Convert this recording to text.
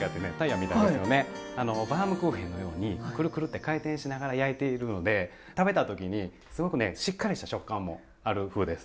バウムクーヘンのようにくるくるって回転しながら焼いているので食べた時にすごくねしっかりした食感もある麩です。